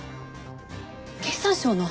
経産省の。